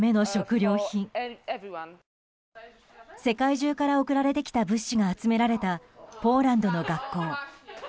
世界中から送られてきた物資が集められたポーランドの学校。